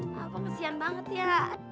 abang kesian banget ya